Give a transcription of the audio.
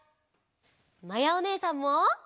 まやおねえさんも。